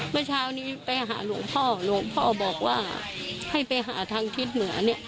เมื่อเช้านี้ไปหาหลวงพ่อหลวงพ่อบอกว่าให้ไปหาทางทิศเหนือเนี่ย